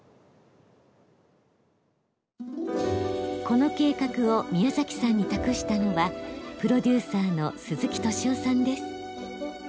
この計画を宮崎さんに託したのはプロデューサーの鈴木敏夫さんです。